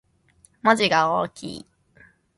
文字が大きい